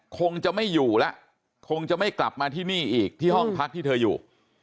คงจะไม่อยู่แล้วคงจะไม่กลับมาที่นี่อีกที่ห้องพักที่เธออยู่